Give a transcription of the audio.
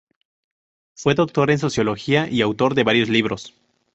Fue doctor en Sociología y autor de varios libros.